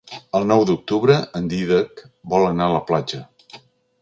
El nou d'octubre en Dídac vol anar a la platja.